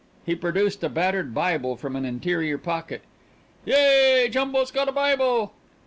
He produced a battered Bible from an interior pocket. "Yea! Jumbo's got a Bible!"